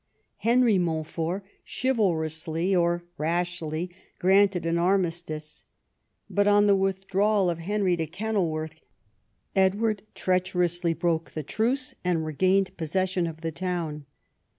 Henry Montfort chivalrously, or rashly, granted an armistice. But on the withdrawal of Henry to Kenilworth Edward treacherously broke the truce, and regained possession of the town.